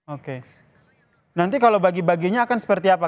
oke nanti kalau bagi baginya akan seperti apa